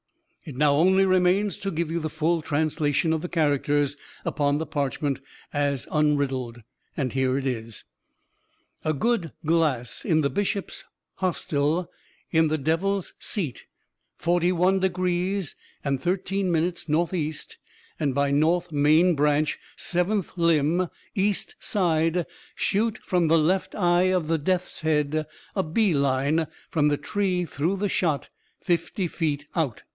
It now only remains to give you the full translation of the characters upon the parchment, as unriddled. Here it is: "'_A good glass in the bishop's hostel in the devil's seat forty one degrees and thirteen minutes northeast and by north main branch seventh limb east side shoot from the left eye of the death's head a bee line from the tree through the shot fifty feet out.